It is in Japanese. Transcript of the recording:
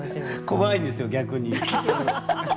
怖いですよ、逆に。